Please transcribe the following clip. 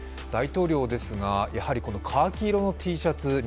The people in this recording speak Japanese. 大統領ですが、やはりカーキ色のＴシャツ